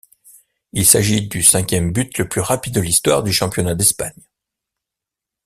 Il s'agit du cinquième but le plus rapide de l'histoire du championnat d'Espagne.